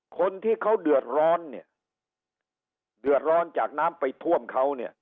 คนที่เขาเดือดร้อนเนี่ยเดือดร้อนจากน้ำไปท่วมเขาเนี่ย